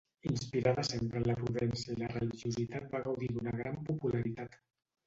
Inspirada sempre en la prudència i la religiositat va gaudir d'una gran popularitat.